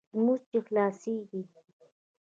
لمونځ چې خلاصېږي.